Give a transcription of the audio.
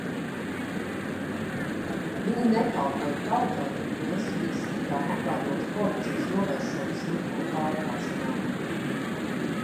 Viņi nekalpoja tautai, kad mēs visi tikām apvainoti Korupcijas novēršanas likuma pārkāpšanā.